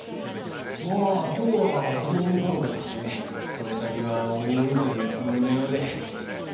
まあ今日は子供の頃から始めその先はおいおいというつもりのようで。